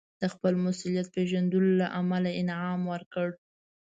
د خپل مسوولیت پېژندلو له امله انعام ورکړ.